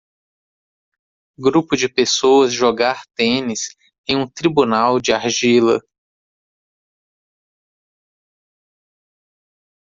Grupo de pessoas jogar tênis em um tribunal de argila.